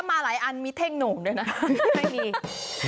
ถ้ามาหลายอันมีเท่งโหน่มด้วยนะ